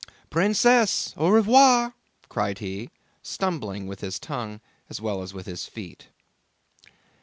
"Princesse, au revoir," cried he, stumbling with his tongue as well as with his feet.